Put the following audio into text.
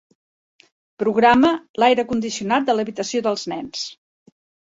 Programa l'aire condicionat de l'habitació dels nens.